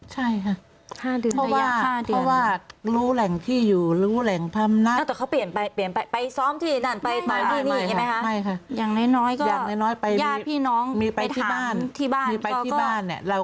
ใช่ค่ะพาเดือนเลย